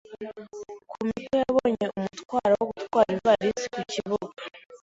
Kumiko yabonye umutwara wo gutwara ivarisi ku kibuga.